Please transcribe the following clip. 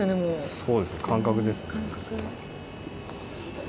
そうですね感覚ですね。